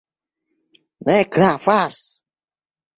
Ne gravas!